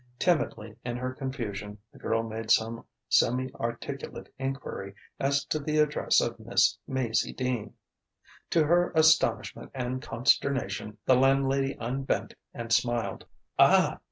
Timidly in her confusion the girl made some semi articulate enquiry as to the address of Miss Maizie Dean. To her astonishment and consternation, the landlady unbent and smiled. "Ah!"